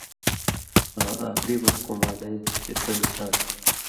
آں آخری 'محکُوم علیہ' چے سو اِنسان تُھو۔